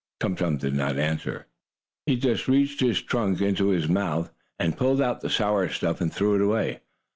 Tum Tum did not answer. He just reached his trunk in his mouth, and pulled out the sour stuff, and threw it away.